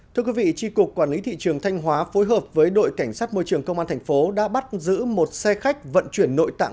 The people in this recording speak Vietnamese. thưa quý vị tri cục quản lý thị trường thanh hóa phối hợp với đội cảnh sát môi trường công an thành phố đã bắt giữ một xe khách vận chuyển nội tạng